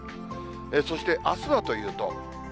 そしてあすはというと。